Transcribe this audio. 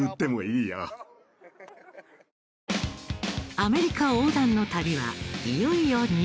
アメリカ横断の旅はいよいよ西海岸。